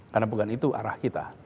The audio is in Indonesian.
karena bukan itu arah kita